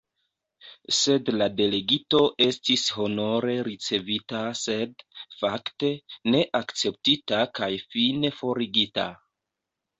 Sed la delegito estis honore ricevita sed, fakte, ne akceptita kaj fine forigita!